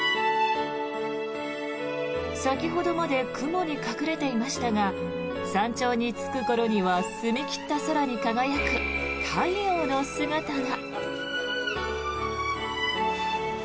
先ほどまで雲に隠れていましたが山頂に着く頃には澄み切った空に輝く太陽の姿が。